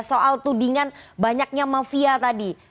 soal tudingan banyaknya mafia tadi